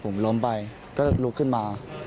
ผมล้มไปก็ลุกขึ้นมา